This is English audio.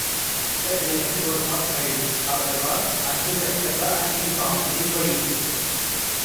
The election was not held, however, until September, and these boundaries were used.